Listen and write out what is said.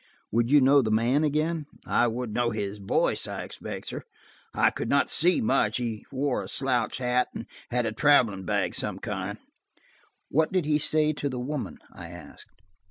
"Would you know the man again?" "I would know his voice, I expect, sir; I could not see much: he wore a slouch hat and had a traveling bag of some kind." "What did he say to the woman?" I asked.